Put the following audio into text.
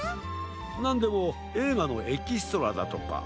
なんでもえいがのエキストラだとか。